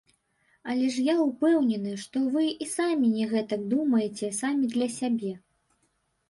Але ж я ўпэўнены, што вы і самі не гэтак думаеце, самі для сябе.